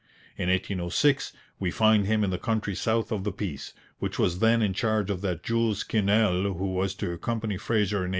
In 1806 we find him in the country south of the Peace, which was then in charge of that Jules Quesnel who was to accompany Fraser in 1808.